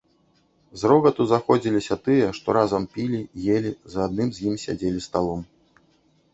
З рогату заходзіліся тыя, што разам пілі, елі, за адным з ім сядзелі сталом.